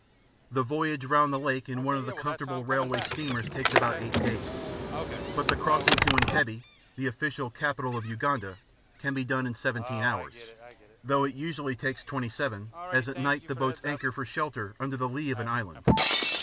The voyage round the Lake in one of the comfortable railway steamers takes about eight days, but the crossing to Entebbe, the official capital of Uganda, can be done in seventeen hours, though it usually takes twenty seven, as at night the boats anchor for shelter under the lee of an island.